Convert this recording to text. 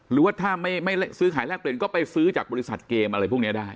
หรือว่าถ้าไม่ซื้อขายแลกเปลี่ยนก็ไปซื้อจากบริษัทเกมอะไรพวกนี้ได้